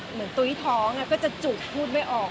เหมือนตุ๊ยท้องก็จะจุกพูดไม่ออก